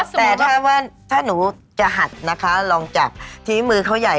แต่ถ้าว่าถ้าหนูจะหัดนะคะลองจับที่มือเขาใหญ่